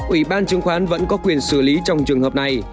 ủy ban chứng khoán vẫn có quyền xử lý trong trường hợp này